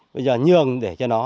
bây giờ nhường để cho nó